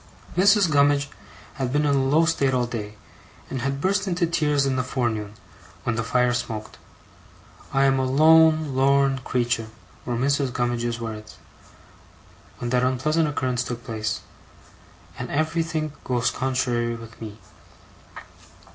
Mrs. Gummidge had been in a low state all day, and had burst into tears in the forenoon, when the fire smoked. 'I am a lone lorn creetur',' were Mrs. Gummidge's words, when that unpleasant occurrence took place, 'and everythink goes contrary with me.